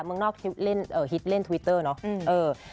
เมืองนอกเล่นฮิตเล่นทวิตเตอร์เนอะ